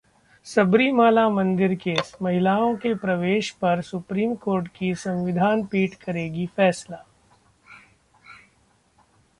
सबरीमाला मंदिर केस: महिलाओं के प्रवेश पर सुप्रीम कोर्ट की संविधान पीठ करेगी फैसला